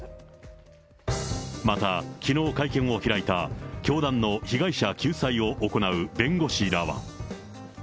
また、きのう会見を開いた、教団の被害者救済を行う弁護士らは。